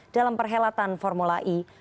dalam perhelatan formula e